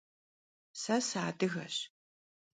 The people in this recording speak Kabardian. Se sıadıgeş.